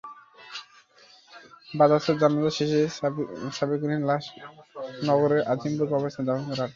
বাদ আসর জানাজা শেষে সাবেকুনের লাশ নগরের আজিমপুর কবরস্থানে দাফন করা হবে।